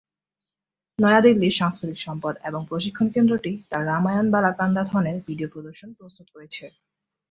নয়াদিল্লির সাংস্কৃতিক সম্পদ এবং প্রশিক্ষণ কেন্দ্রটি তার রামায়ণ-বালাকান্দাথনের ভিডিও প্রদর্শন প্রস্তুত করেছে।